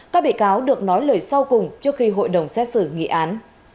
các bị cáo được nói lời sau cùng trước khi hội đồng xét xử nghị án